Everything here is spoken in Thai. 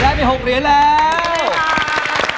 ได้ไป๖เหรียญแล้ว